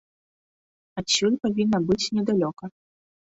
Адсюль павінна быць недалёка.